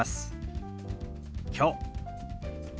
「きょう」。